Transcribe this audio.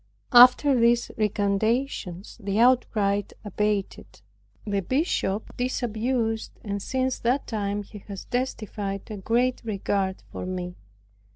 After these recantations the outcry abated, the bishop disabused, and since that time he has testified a great regard for me.